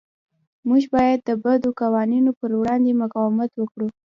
موږ باید د بدو قوانینو پر وړاندې مقاومت وکړو.